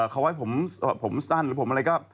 เขาไว้ผมสั้นหรือผมอะไรก็